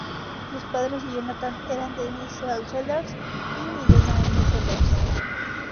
Los padres de Jonathan eran Dennis L. Sellers y Milena M. Sellers.